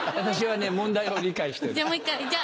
私はね問題を理解してる。